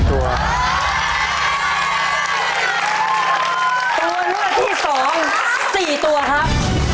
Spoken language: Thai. ตัวเลือกที่๒๔ตัวครับ